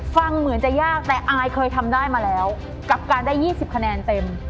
ฟังเหมือนจะยากแต่อายเคยทำได้มาแล้วกับการได้๒๐คะแนนเต็ม